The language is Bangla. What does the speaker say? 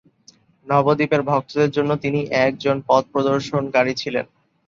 নবদ্বীপের ভক্তদের জন্য তিনি একজন পথ প্রদর্শনকারী ছিলেন।